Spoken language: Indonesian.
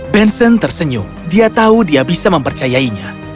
benson tersenyum dia tahu dia bisa mempercayainya